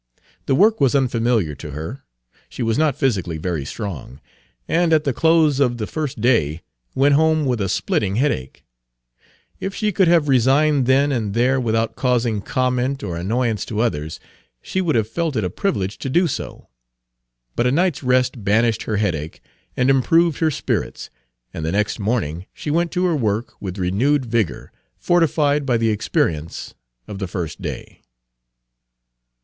The work was unfamiliar to her. She was not physically very strong, and at the close of the first day went home with a splitting headache. If she could have resigned then and there without causing comment or annoyance to others, she would have felt it a privilege to do so. But a night's rest banished her headache and improved her spirits, and the next morning she went to her work with renewed vigor, fortified by the experience of the first day.